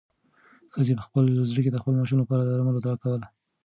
ښځې په خپل زړه کې د خپل ماشوم لپاره د درملو دعا کوله.